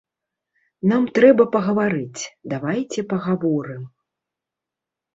Нам трэба пагаварыць, давайце пагаворым.